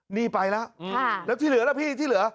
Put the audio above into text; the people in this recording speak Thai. นี่ไปแล้วแล้วที่เหลือล่ะพี่ที่เหลือ